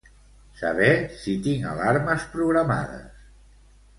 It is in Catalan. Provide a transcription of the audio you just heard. Saber si tinc alarmes programades.